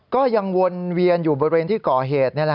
ก็ยังวนเวียนอยู่บริเวณที่ก่อเหตุ